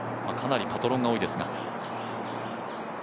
かなりパトロンが多いですが。